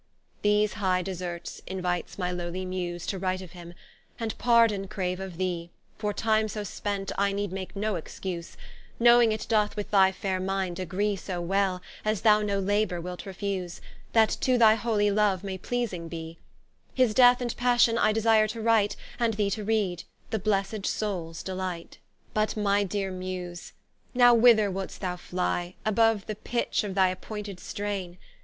¶ These high deserts inuites my lowely Muse To write of Him, and pardon craue of thee, For Time so spent, I need make no excuse, Knowing it doth with thy faire Minde agree So well, as thou no Labour wilt refuse, That to thy holy Loue may pleasing be: His Death and Passion I desire to write, And thee to read, the blessed Soules delight. But my deare Muse, now whither wouldst thou flie, Aboue the pitch of thy appointed straine?